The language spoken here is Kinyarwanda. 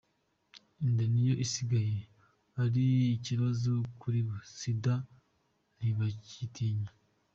Inda niyo isigaye ari ikibazo kuribo, Sida ntibakiyitinya.